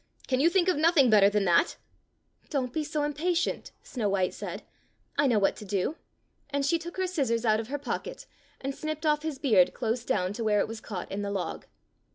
Can you think of nothing better than that.^" "Don't be so impatient," Snow white said. " I know what to do "; and she took her scissors out of her pocket and snipped oflf his beard close down to where it was caught in the log.